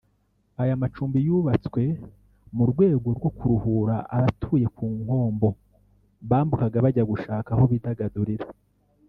Aya macumbi yubatswe mu rwego rwo kuruhura abatuye ku Nkombo bambukaga bajya gushaka aho bidagadurira